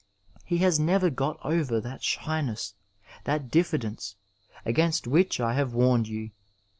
He has never got over that shyness, that diffidence, against which I have warned you.